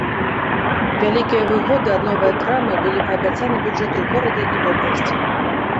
Вялікія выгоды ад новай крамы былі паабяцаны бюджэту горада і вобласці.